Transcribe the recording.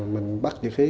mình bắt dự khí